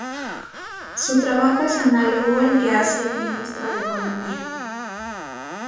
Su trabajo es análogo al que hace el ministro de economía.